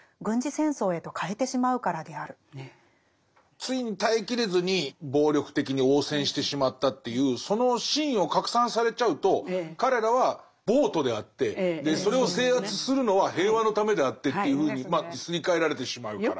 ついに耐え切れずに暴力的に応戦してしまったっていうそのシーンを拡散されちゃうと彼らは暴徒であってそれを制圧するのは平和のためであってっていうふうにすり替えられてしまうから。